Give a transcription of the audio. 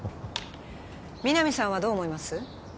皆実さんはどう思います？